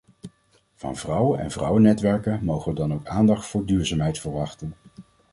Van vrouwen en vrouwennetwerken mogen we ook aandacht voor duurzaamheid verwachten.